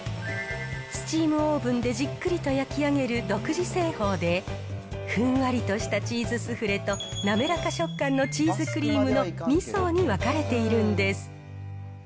スチームオーブンでじっくりと焼き上げる独自製法で、ふんわりとしたチーズスフレと滑らか食感のチーズクリームの２層に分かれているんです。